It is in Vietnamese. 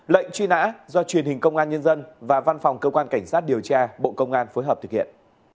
lệnh truy nã do truyền hình công an nhân dân và văn phòng cơ quan cảnh sát điều tra bộ công an phối hợp thực hiện